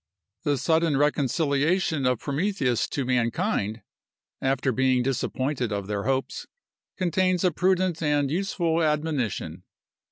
The sudden reconciliation of Prometheus to mankind, after being disappointed of their hopes, contains a prudent and useful admonition.